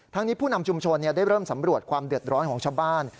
นี้ผู้นำชุมชนได้เริ่มสำรวจความเดือดร้อนของชาวบ้าน